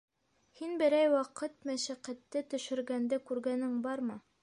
Һин берәй ваҡыт мәшәҡәтте төшөргәнде күргәнең бармы?